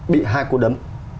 bị hai cú đấm